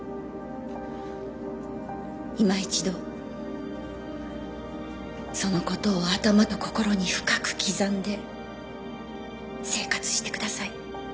いま一度そのことを頭と心に深く刻んで生活してください。